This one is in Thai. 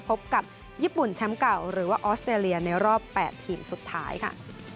พบกับญี่ปุ่นแชมป์เก่าหรือว่าออสเตรเลียในรอบ๘ทีมสุดท้ายค่ะ